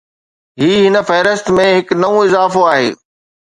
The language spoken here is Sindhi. هي هن فهرست ۾ هڪ نئون اضافو آهي